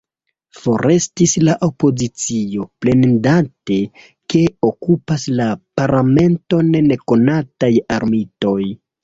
Forestis la opozicio, plendante, ke okupas la parlamenton nekonataj armitoj.